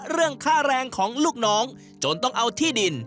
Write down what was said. เรื่องค่าแรงของลูกน้องจนต้องเอาที่ดิน